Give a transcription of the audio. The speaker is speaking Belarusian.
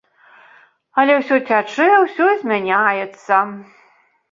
Але ўсё цячэ, усё змяняецца.